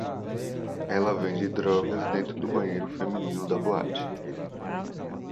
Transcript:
Ela vende drogas dentro do banheiro feminino da boate